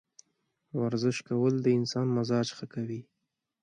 ورزش کول د انسان مزاج ښه کوي.